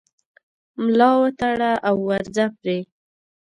ملا وتړه او ورځه پرې